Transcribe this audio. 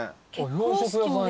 洋食屋さんや。